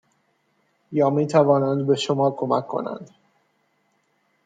یا میتوانند به شما کمک کنند